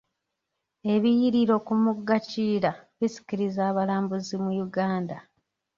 Ebiyiriro ku mugga kiyira bisikiriza abalambuzi mu Uganda.